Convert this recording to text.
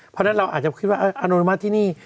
เพราะฉะนั้นเราอาจจะคิดว่าอนุมัติที่นี่